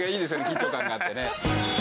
緊張感があってね。